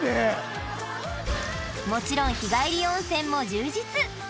もちろん日帰り温泉も充実